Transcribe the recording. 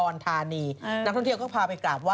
นักท่องเที่ยวก็พาไปกราบไห้